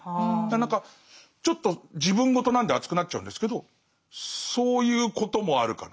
何かちょっと自分ごとなんで熱くなっちゃうんですけどそういうこともあるかな。